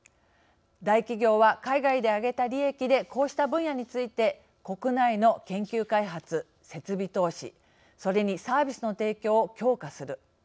大企業は海外で上げた利益でこうした分野について国内の研究開発設備投資それにサービスの提供を強化する。